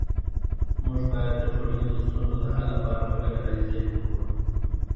موږ باید د ټولنیزو ستونزو د حل لپاره په ګډه هلې ځلې وکړو